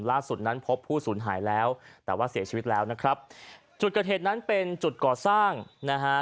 ล่าสุดนั้นพบผู้สูญหายแล้วแต่ว่าเสียชีวิตแล้วนะครับจุดเกิดเหตุนั้นเป็นจุดก่อสร้างนะฮะ